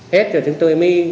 hết rồi chúng tôi mới